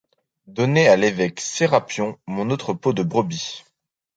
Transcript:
Donnez à l’évêque Sérapion mon autre peau de brebis.